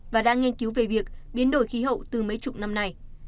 và đã nghiên cứu về việc biến đổi khí hậu từ mấy chục năm nay